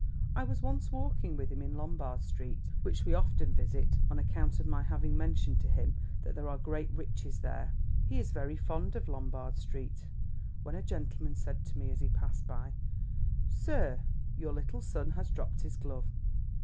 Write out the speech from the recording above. I was once walking with him in Lombard Street, which we often visit on account of my having mentioned to him that there are great riches there—he is very fond of Lombard Street—when a gentleman said to me as he passed by, "Sir, your little son has dropped his glove."